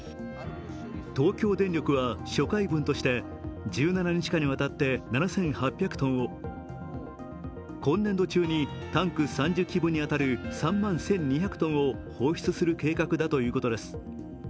東京電力は初回分として１７日間にわたって７８００トンを今年度中にタンク３０基分に当たる３万１２００ｔを放出する計画だということです。